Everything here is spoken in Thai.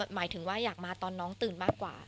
หมายถึงว่าอยากมาตอนน้องตื่นมากกว่า